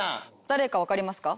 誰かわかりますか？